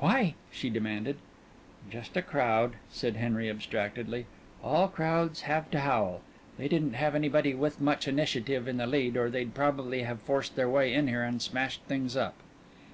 "Why?" she demanded. "Just a crowd," said Henry, abstractedly. "All crowds have to howl. They didn't have anybody with much initiative in the lead, or they'd probably have forced their way in here and smashed things up."